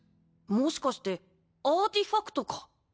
もしかしてアーティファクトか？